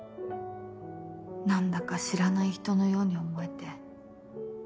何だか知らない人のように思えて。